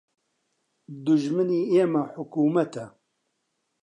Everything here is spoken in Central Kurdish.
دوژمنی ئێمە حکومەتە